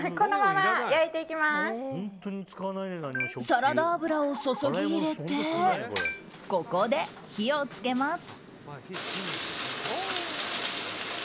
サラダ油を注ぎ入れてここで、火を付けます。